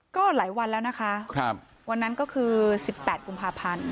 ก็หลายวันแล้วนะคะวันนั้นก็คือ๑๘กุมภาพันธ์